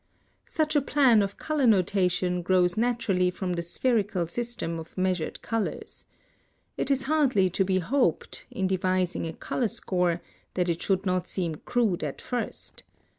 (144) Such a plan of color notation grows naturally from the spherical system of measured colors. It is hardly to be hoped, in devising a color score, that it should not seem crude at first.